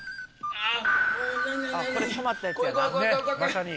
これ止まったやつやな。